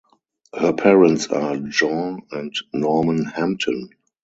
Her parents are Jean and Norman Hampton.